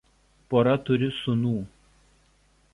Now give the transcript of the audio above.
Pora turi sūnų.